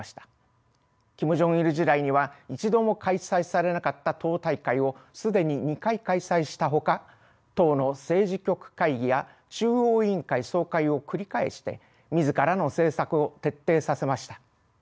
キム・ジョンイル時代には一度も開催されなかった党大会を既に２回開催したほか党の政治局会議や中央委員会総会を繰り返して自らの政策を徹底させました。